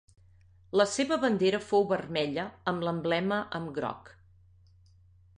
La seva bandera fou vermella amb l'emblema amb groc.